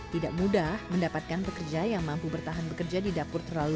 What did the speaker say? tidak mudah mendapatkan pekerja yang mampu bertahan bekerja di dapur terlalu